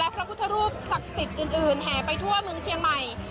พระพุทธรูปศักดิ์สิทธิ์อื่นแห่ไปทั่วเมืองเชียงใหม่